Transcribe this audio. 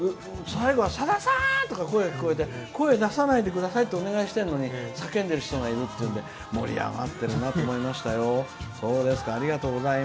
最後は「さださん！」とか声が聞こえて声を出さないでくださいってお願いしてるのに叫んでる人がいるので盛り上がってるなと思います。